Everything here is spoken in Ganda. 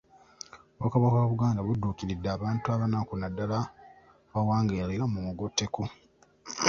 Obwakabaka bwa Buganda budduukiridde abantu abanaku naddala abawangaalira mu mugotteko .